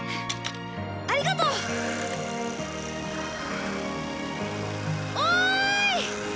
ありがとう！おい！